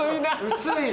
薄い。